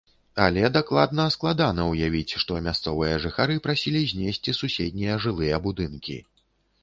Але дакладна складана ўявіць, што мясцовыя жыхары прасілі знесці суседнія жылыя будынкі.